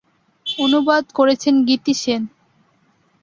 অনুবাদ করেছেন গীতি সেন।